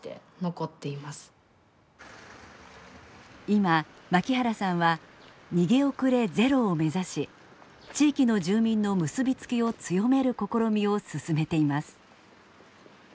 今槙原さんは「逃げ遅れゼロ」を目指し地域の住民の結び付きを強める試みを進めています。